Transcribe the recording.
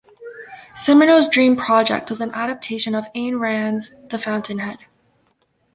Cimino's dream project was an adaptation of Ayn Rand's "The Fountainhead".